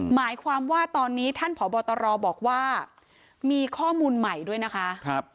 หมายความว่าตอนนี้ท่านผอบตรบอกว่ามีข้อมูลใหม่ด้วยนะคะ